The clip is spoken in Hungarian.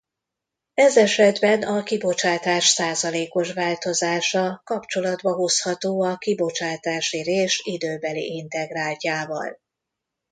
Ez esetben a kibocsátás százalékos változása kapcsolatba hozható a kibocsátási rés időbeli integráltjával.